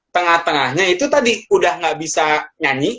tengah tengahnya itu tadi udah gak bisa nyanyi